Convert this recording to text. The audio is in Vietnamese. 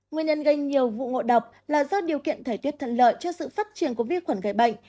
nguyên nhân gây nhiều vụ ngộ độc là do điều kiện thời tiết thận lợi cho sự phát triển của vi khuẩn gây bệnh